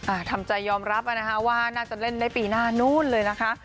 ทำใจยอมรับอ่ะนะคะว่าน่าจะเล่นได้ปีหน้านู้นเลยนะคะ